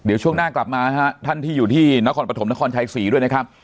เดี๋ยวช่วงหน้ากลับมาฮะท่านที่อยู่ที่นครปฐมนครชัยศรีด้วยนะครับ